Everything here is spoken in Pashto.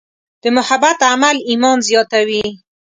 د محبت عمل ایمان زیاتوي.